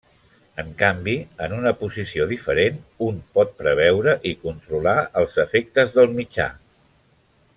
En canvi, en una posició diferent, un pot preveure i controlar els efectes del mitjà.